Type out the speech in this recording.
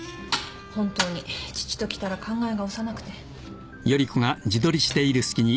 本当に父ときたら考えが幼くて。